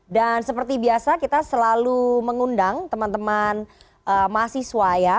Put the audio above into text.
dan seperti biasa kita selalu mengundang teman teman mahasiswa ya